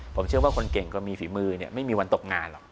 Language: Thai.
ผมเชื่อว่าคนเก่งก็มีฝีมือไม่มีวันตกงานหรอก